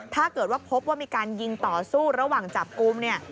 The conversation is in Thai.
ถ้าเกิดว่าพบว่ามีการยิงต่อสู้ระหว่างจับกลุ่มเนี่ย